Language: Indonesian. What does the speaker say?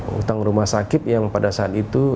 utang rumah sakit yang pada saat itu